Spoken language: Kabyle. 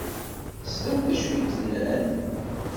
Teslam d acu i d-nnan?